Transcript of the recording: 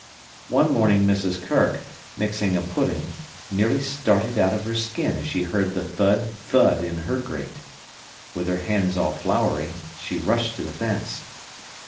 One morning Mrs. Kirk, mixing a pudding, nearly started out of her skin as she heard the thud, thud, in her grate. With her hands all floury, she rushed to the fence.